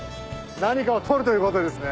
何かを取るということですね？